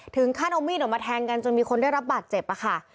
ถึงขั้นเอามีดออกมาแทงกันจนมีคนได้รับบาดเจ็บค่ะ